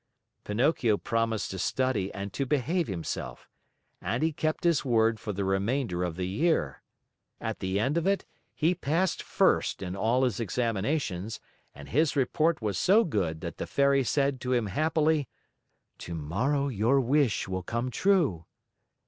Pinocchio promised to study and to behave himself. And he kept his word for the remainder of the year. At the end of it, he passed first in all his examinations, and his report was so good that the Fairy said to him happily: "Tomorrow your wish will come true."